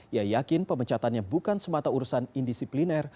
ia yakin pemecatannya bukan semata urusan indisipliner